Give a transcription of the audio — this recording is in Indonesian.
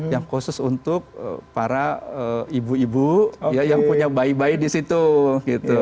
yang khusus untuk para ibu ibu yang punya bayi bayi di situ gitu